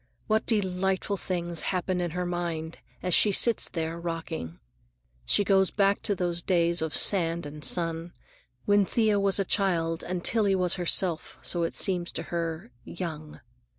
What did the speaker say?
What delightful things happen in her mind as she sits there rocking! She goes back to those early days of sand and sun, when Thea was a child and Tillie was herself, so it seems to her, "young."